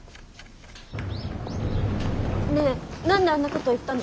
ねえ何であんなこと言ったの？